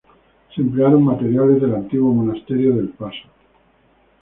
Se emplearon materiales del antiguo monasterio del Paso.